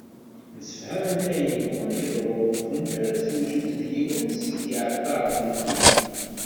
Msefhament ayen yebɣun yeḍru ur qebblent ara ad zewǧent d yiwen seg yiɛeṭṭaren-nni.